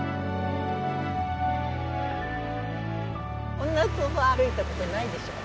こんなとこ歩いたことないでしょう？